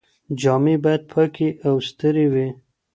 جامې بايد پاکې او سترې وي.